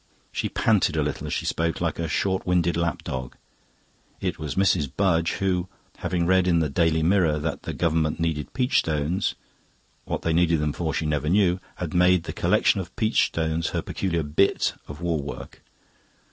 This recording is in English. She panted a little as she spoke, like a short winded lap dog. It was Mrs. Budge who, having read in the "Daily Mirror" that the Government needed peach stones what they needed them for she never knew had made the collection of peach stones her peculiar "bit" of war work.